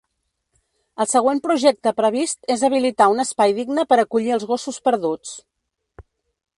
El següent projecte previst és habilitar un espai digne per acollir els gossos perduts.